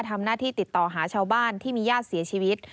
ทำหน้าที่ติดต่อหาชาวบ้านที่มีญาติเสียชีวิต